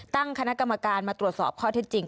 ตั้งคณะกรรมการมาตรวจสอบข้อเท็จจริง